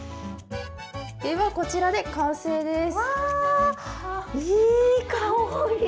では、こちらで完成です。